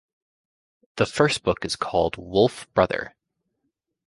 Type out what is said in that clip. The first book is called "Wolf Brother".